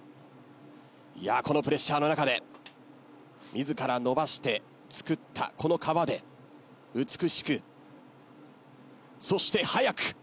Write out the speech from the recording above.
このプレッシャーの中で自らのばして作ったこの皮で美しくそして速く！